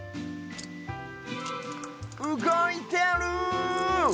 うごいてる！